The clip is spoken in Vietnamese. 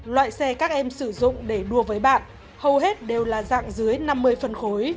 loại xe các em sử dụng để đua với bạn hầu hết đều là dạng dưới năm mươi phân khối